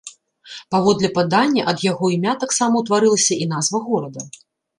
Паводле падання, ад яго імя таксама ўтварылася і назва горада.